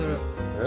え？